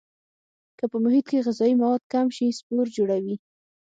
که په محیط کې غذایي مواد کم شي سپور جوړوي.